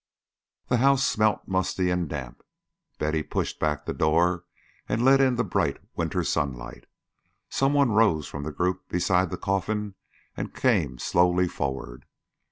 The house smelt musty and damp. Betty pushed back the door and let in the bright winter sunlight. Some one rose from the group beside the coffin and came slowly forward.